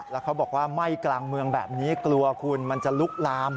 แล้วเขาบอกว่าไหม้กลางเมืองแบบนี้กลัวคุณมันจะลุกลาม